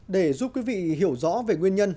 để giúp quý vị hiểu rõ về nguyên nhân